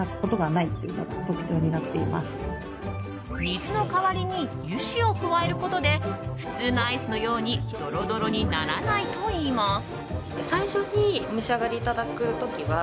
水の代わりに油脂を加えることで普通のアイスのようにドロドロにならないといいます。